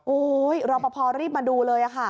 โอ้ยเราพอมารีบดูเลยค่ะ